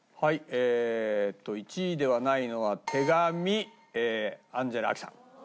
えーっと１位ではないのは『手紙』アンジェラ・アキさん。